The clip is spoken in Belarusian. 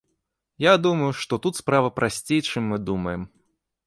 Я думаю, што тут справа прасцей чым мы думаем.